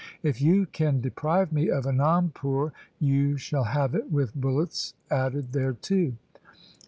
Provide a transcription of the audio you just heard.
If you can deprive me of Anandpur, you shall have it with bullets added thereto.